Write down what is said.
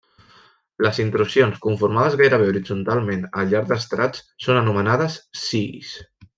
Les intrusions conformades gairebé horitzontalment al llarg d'estrats són anomenades sills.